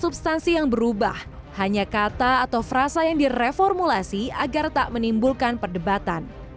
substansi yang berubah hanya kata atau frasa yang direformulasi agar tak menimbulkan perdebatan